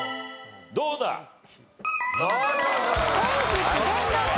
どうだ？